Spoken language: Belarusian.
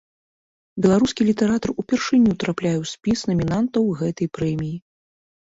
Беларускі літаратар упершыню трапляе ў спіс намінантаў гэтай прэміі.